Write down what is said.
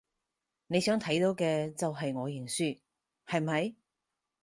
你想睇到嘅就係我認輸，係咪？